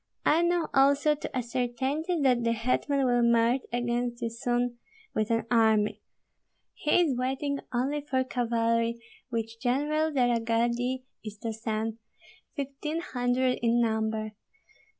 I know also to a certainty that the hetman will march against you soon with an army; he is waiting only for cavalry which General de la Gardie is to send, fifteen hundred in number.